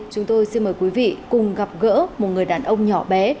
chúng tôi xin mời quý vị cùng gặp gỡ một người đàn ông nhỏ bé